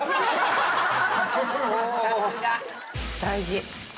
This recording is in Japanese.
大事。